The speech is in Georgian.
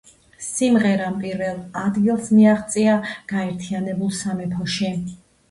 სიმღერამ პირველ ადგილს მიაღწია გაერთიანებულ სამეფოში.